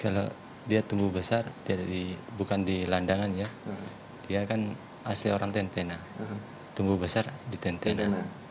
kalau dia tumbuh besar bukan di landangan ya dia kan ac orang tentena tumbuh besar di tentena